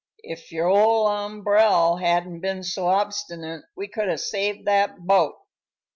If your ol' umbrel hadn't been so obstinate we could have saved that boat."